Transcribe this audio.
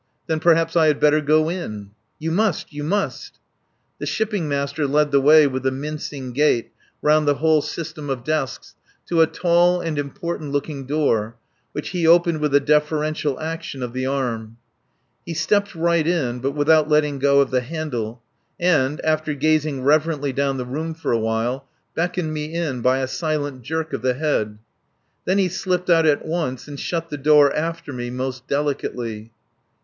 Then perhaps I had better go in." "You must! You must!" The Shipping Master led the way with a mincing gait around the whole system of desks to a tall and important looking door, which he opened with a deferential action of the arm. He stepped right in (but without letting go of the handle) and, after gazing reverently down the room for a while, beckoned me in by a silent jerk of the head. Then he slipped out at once and shut the door after me most delicately.